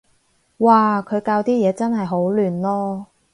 嘩，佢校啲嘢真係好亂囉